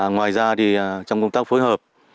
ngoài ra trong công tác phối hợp